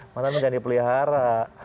mantan juga dipelihara